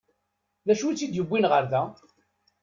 D acu i tt-id-yewwin ɣer da?